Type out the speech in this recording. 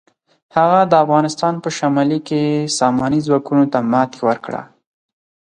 هغه د افغانستان په شمالي کې ساماني ځواکونو ته ماتې ورکړه.